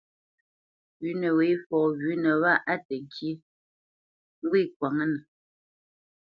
Pʉ̌nə wê fɔ wʉ̌nə wâ á təŋkyé, ŋgwê kwǎŋnə.